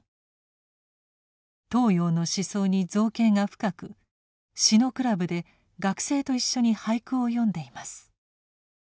東洋の思想に造詣が深く詩のクラブで学生と一緒に俳句を詠んでいます。